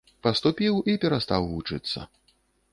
Паступіў і перастаў вучыцца.